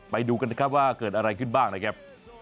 ไปดูกันนะครับว่าเกิดอะไรขึ้นบ้างนะครับ